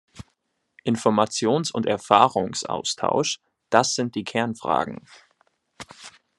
Informations- und Erfahrungsaustausch, das sind die Kernfragen.